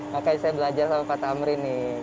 makanya saya belajar sama pak tamrin nih